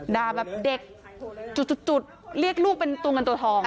ด่าแบบเด็กจุดเรียกลูกเป็นตัวเงินตัวทอง